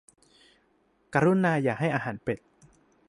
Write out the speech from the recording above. กรุณาอย่าให้อาหารเป็ด